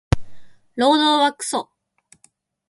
労働はクソ